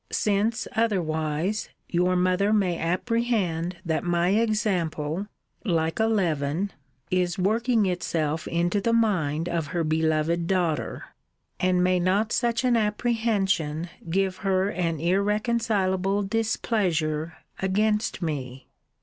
Since otherwise, your mother may apprehend that my example, like a leaven, is working itself into the mind of her beloved daughter. And may not such an apprehension give her an irreconcilable displeasure against me?